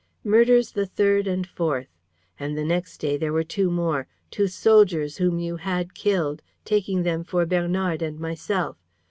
Murders the third and fourth. And the next day there were two more, two soldiers whom you had killed, taking them for Bernard and myself.